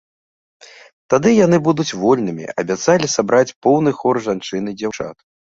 Тады яны будуць вольнымі, абяцалі сабраць поўны хор жанчын і дзяўчат.